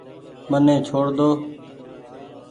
مني ڇوڙ ۮو۔